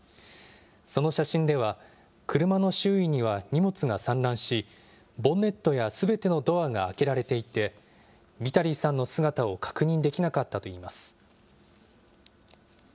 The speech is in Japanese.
その写真では、車の周囲には荷物が散乱し、ボンネットやすべてのドアが開けられていて、ビタリーさんの姿を確認できなかったといいます。